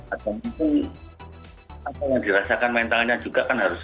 apa yang dirasakan mentalnya juga kan harus